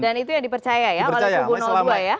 dan itu yang dipercaya ya walaupun dua ya